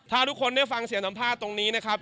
ถ้าทุกคนได้ฟังเสียงสัมภาษณ์ตรงนี้นะครับ